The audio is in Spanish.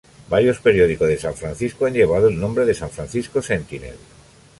Varios periódicos de San Francisco han llevado el nombre de "San Francisco Sentinel".